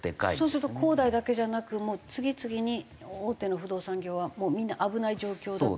そうすると恒大だけじゃなく次々に大手の不動産業はみんな危ない状況だといっていい。